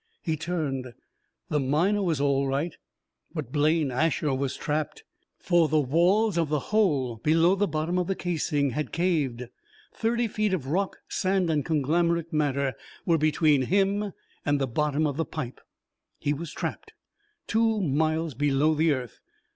He turned. The Miner was all right, but Blaine Asher was trapped! For the walls of the hole below the bottom of the casing had caved. Thirty feet of rock, sand and conglomerate matter were between him and the bottom of the pipe. He was trapped two miles below the earth.